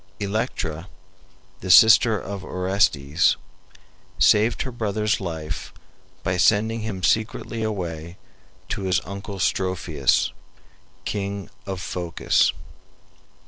Electra, the sister of Orestes, saved her brother's life by sending him secretly away to his uncle Strophius, King of Phocis.